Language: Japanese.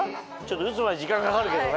打つまで時間かかるけどね。